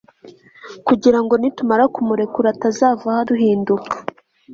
kugira ngo nitumara kumurekura atazavaho aduhinduka